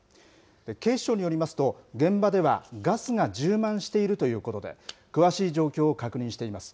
警視庁によりますと、現場ではガスが充満しているということで、詳しい状況を確認しています。